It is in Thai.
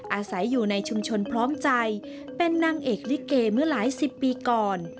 อาศัยอยู่ในชุมชนพร้อมใจเป็นนางเอกลิเกเมื่อหลายสิบปีก่อน